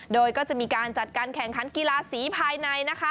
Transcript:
โดยก็จะมีการจัดการแข่งขันกีฬาสีภายในนะคะ